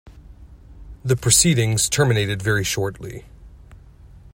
The proceedings terminated very shortly.